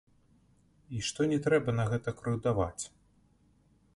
І што не трэба на гэта крыўдаваць.